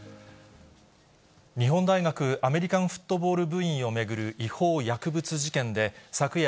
日本大学アメリカンフットボール部員を巡る違法薬物事件で、昨夜、